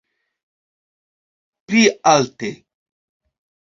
Pli alte!